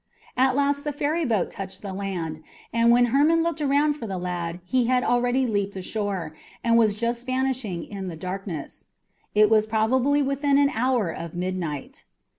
At last the ferryboat touched the land, and when Hermon looked around for the lad he had already leaped ashore, and was just vanishing in the darkness. It was probably within an hour of midnight.